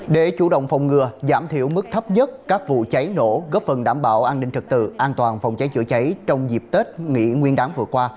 để chủ động phòng ngừa giảm thiểu mức thấp nhất các vụ cháy nổ góp phần đảm bảo an ninh trật tự an toàn phòng cháy chữa cháy trong dịp tết nghỉ nguyên đáng vừa qua